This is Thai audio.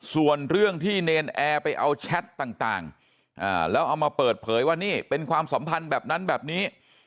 ส่วนเรื่องที่เนรนแอร์ไปเอาแชทต่างแล้วเอามาเปิดเผยว่านี่เป็นความสัมพันธ์แบบนั้นแบบนี้